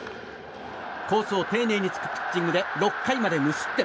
コースを丁寧に突くピッチングで６回まで無失点。